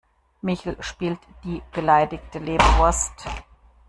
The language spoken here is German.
Michel spielt die beleidigte Leberwurst.